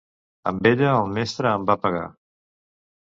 Amb ella el mestre em va pegar.